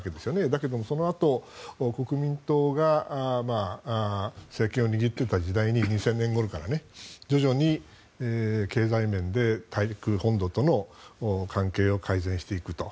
だけども、そのあと国民党が政権を握っていた時代に２０００年ごろから徐々に経済面で大陸本土との関係を改善していくと。